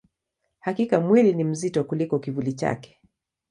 Hakika, mwili ni mzito kuliko kivuli chake.